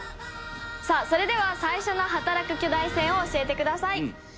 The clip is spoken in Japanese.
それでは最初の働く巨大船を教えてください。